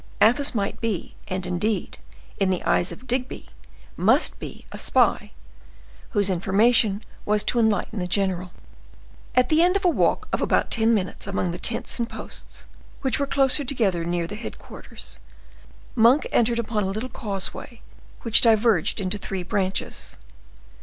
Athos might be, and, indeed, in the eyes of Digby, must be, a spy, whose information was to enlighten the general. At the end of a walk of about ten minutes among the tents and posts, which were closer together near the headquarters, Monk entered upon a little causeway which diverged into three branches.